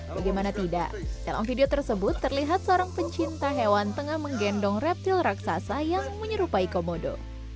bagaimana tidak dalam video tersebut terlihat seorang pencinta hewan tengah menggendong reptil raksasa yang menyerupai komodo